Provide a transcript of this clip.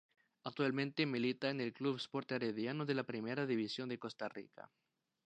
Actualmente milita en el Club Sport Herediano de la Primera División de Costa Rica.